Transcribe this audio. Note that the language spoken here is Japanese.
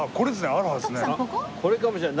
これかもしれない。